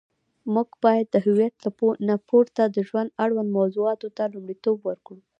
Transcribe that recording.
موږ باید د هویت نه پورته د ژوند اړوند موضوعاتو ته لومړیتوب ورکړو.